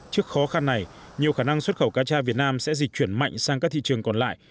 trước khó khăn này nhiều khả năng xuất khẩu cá tra việt nam sẽ dịch chuyển mạnh sang các thị trường còn lại